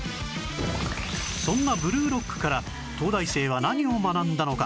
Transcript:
そんな『ブルーロック』から東大生は何を学んだのか？